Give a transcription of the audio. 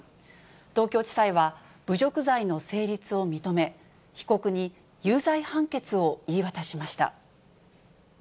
東京地裁は侮辱罪の成立を認め、被告に有罪判決を言い渡しました。